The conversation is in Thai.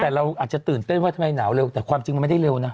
แต่เราอาจจะตื่นเต้นว่าทำไมหนาวเร็วแต่ความจริงมันไม่ได้เร็วนะ